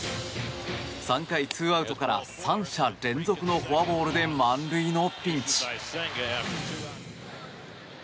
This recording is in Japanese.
３回、２アウトから３者連続のフォアボールで満塁のピンチ。